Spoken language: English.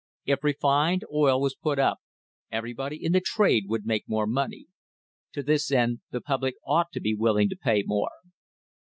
If refined oil was put up everybody in the trade would make more money. To this end the public ought to be willing to pay more.